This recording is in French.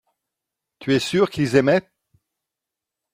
tu es sûr qu'ils aimaient.